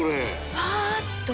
ふわっと！